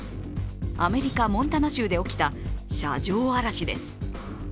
アメリカ・モンタナ州で起きた車上荒らしです。